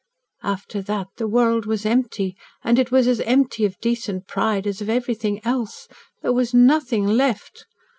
After that the world was empty and it was as empty of decent pride as of everything else. There was nothing left.